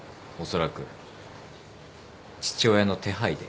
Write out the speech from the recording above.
おそらく父親の手配で。